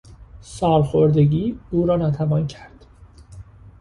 سالخوردگی او را ناتوان کرد.